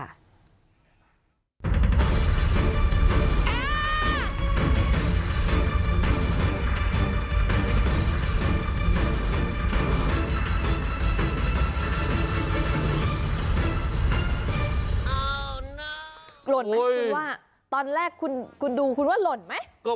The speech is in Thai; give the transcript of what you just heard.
หล่นไหมคือว่าตอนแรกคุณดูคุณว่าหล่นไหม